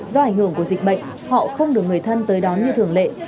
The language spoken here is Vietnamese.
do ảnh hưởng của dịch bệnh họ không được người thân tới đón như thường lệ